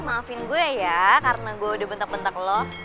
maafin gue ya karena gue udah bentak bentak loh